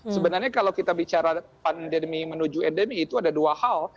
sebenarnya kalau kita bicara pandemi menuju endemi itu ada dua hal